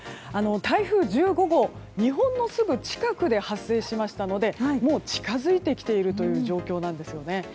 台風１５号、日本のすぐ近くで発生しましたのでもう近づいてきているという状況なんですよね。